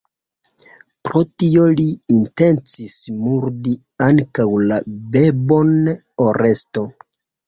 Pro tio li intencis murdi ankaŭ la bebon Oresto.